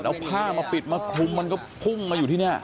เอาผ้ามาปิดมาคลุมมันก็พุ่งมาอยู่ที่นี่